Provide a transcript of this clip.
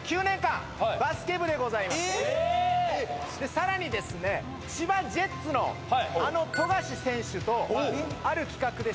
さらにですね千葉ジェッツのあの富樫選手と。